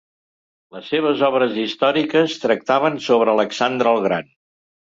Les seves obres històriques tractaven sobre Alexandre el Gran.